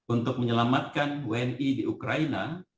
untuk menyelamatkan wni di ukraina